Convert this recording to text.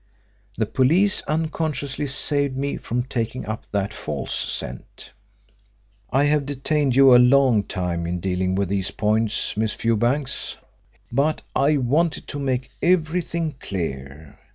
The police unconsciously saved me from taking up that false scent. "I have detained you a long time in dealing with these points, Miss Fewbanks, but I wanted to make everything clear.